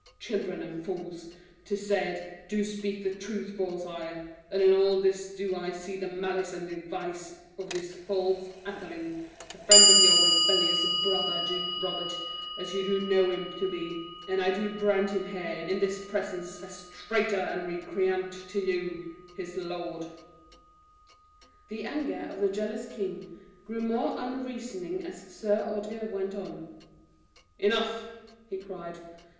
Children and fools, 't is said, do speak the truth, beausire; and in all this do I see the malice and device of this false Atheling, the friend of your rebellious brother, Duke Robert, as you do know him to be; and I do brand him here, in this presence, as traitor and recreant to you, his lord." (1) Witch wife or seeress. The anger of the jealous king grew more unreasoning as Sir Ordgar went on. "Enough!" he cried.